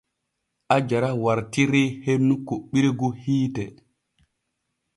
Aajara wartirii hennu kuɓɓirgu hiite.